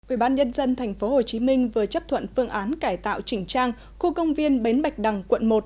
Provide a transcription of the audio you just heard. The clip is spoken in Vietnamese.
ubnd tp hcm vừa chấp thuận phương án cải tạo chỉnh trang khu công viên bến bạch đằng quận một